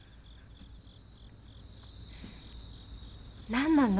何なの？